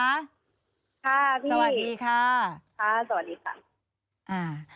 ค่ะพี่สวัสดีค่ะค่ะสวัสดีค่ะ